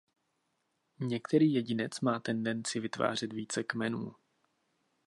Některý jedinec má tendenci vytvářet více kmenů.